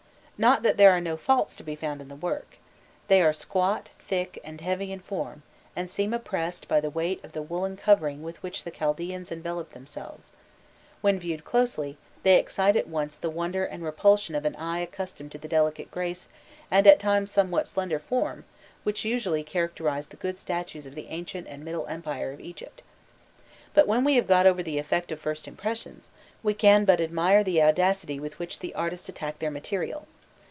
Not that there are no faults to be found in the work. They are squat, thick, and heavy in form, and seem oppressed by the weight of the woollen covering with which the Chaldeans enveloped themselves; when viewed closely, they excite at once the wonder and repulsion of an eye accustomed to the delicate grace, and at times somewhat slender form, which usually characterized the good statues of the ancient and middle empire of Egypt. But when we have got over the effect of first impressions, we can but admire the audacity with which the artists attacked their material.